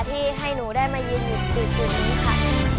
ที่ให้หนูได้มายืนอยู่จุดนี้ค่ะ